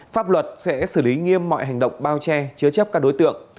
pháp luật sẽ xử lý nghiêm mọi hành động bao che chứa chấp các đối tượng